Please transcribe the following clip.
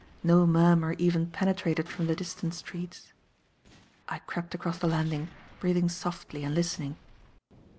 No murmur even penetrated from the distant streets. I crept across the landing, breathing softly and listening.